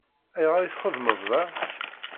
Ayɣer i txeddmeḍ da?